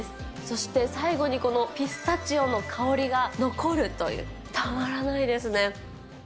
そして、最後にこのピスタチオの香りが残るという、たまらないですね。